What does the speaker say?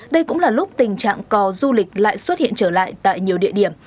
đây cũng là lúc tình trạng cò du lịch lại xuất hiện trở lại tại nhiều địa điểm